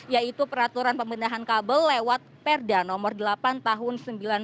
yaitu peraturan pemindahan kabel lewat perda nomor delapan tahun seribu sembilan ratus sembilan puluh